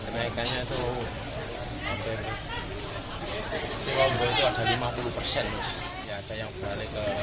usia ada yang punya ke putus berburu